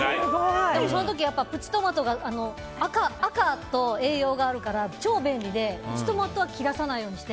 その時やっぱプチトマトが赤と栄養があるから超便利で、プチトマトは切らさないようにして。